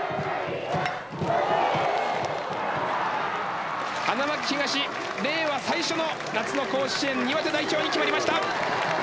令和最初の夏の甲子園岩手代表に決まりました。